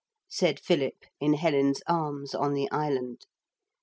said Philip in Helen's arms on the island.